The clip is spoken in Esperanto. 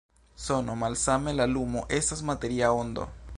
Sono, malsame la lumo, estas materia ondo.